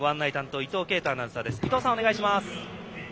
伊藤さん、お願いします。